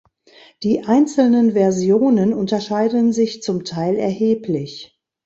Die einzelnen Versionen unterscheiden sich zum Teil erheblich.